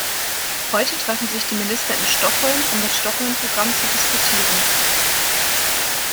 Heute treffen sich die Minister in Stockholm, um das Stockholm-Programm zu diskutieren.